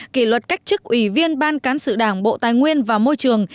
kỷ luật cách chức ủy viên ban cán sự đảng bộ tài nguyên và môi trường